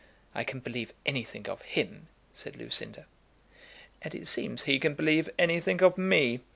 "I can believe anything of him," said Lucinda. "And it seems he can believe anything of me.